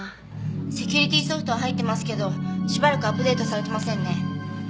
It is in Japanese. セキュリティーソフトは入ってますけどしばらくアップデートされてませんね。